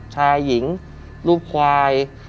ชายหญิงรูปควาย